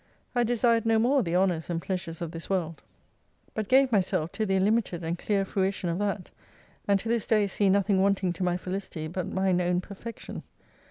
I desired no more the honours and pleasures of this world, but gave myself to the illimited and clear fruition of that : and to this day see nothing wanting to my Felicity but mine own perfection.